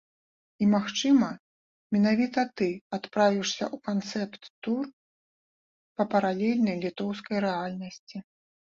І, магчыма, менавіта ты адправішся ў канцэпт-тур па паралельнай літоўскай рэальнасці!